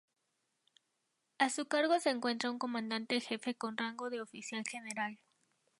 A su cargo se encuentra un Comandante Jefe con rango de oficial general.